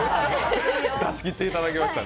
出し切っていただきましたね。